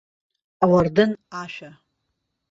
Ауардын ашәа.